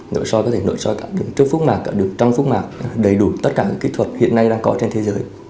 nội soi có thể nội soi cả đường trước phúc mạc cả đường trong phúc mạc đầy đủ tất cả cái kỹ thuật hiện nay đang có trên thế giới